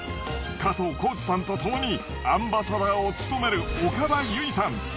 加藤浩次さんとともにアンバサダーを務める岡田結実さん。